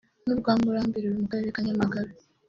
n’urwa Murambi ruri mu Karere ka Nyamagabe